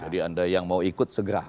jadi anda yang mau ikut segera